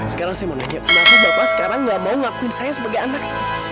sekarang saya mau nanya kenapa bapak sekarang gak mau ngakuin saya sebagai anak